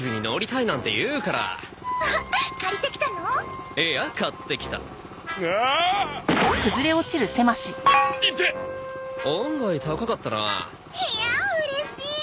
いやんうれしい！